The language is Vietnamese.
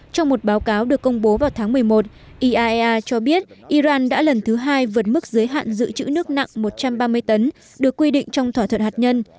trong một báo cáo được công bố vào tháng một mươi một iaea cho biết iran đã lần thứ hai vượt mức giới hạn dự trữ nước nặng một trăm ba mươi tấn được quy định trong thỏa thuận hạt nhân